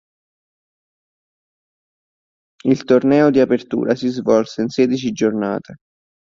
Il torneo di Apertura si svolse in sedici giornate.